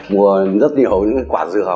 mua rất nhiều quả dừa